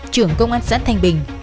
trưởng công an xã thanh bình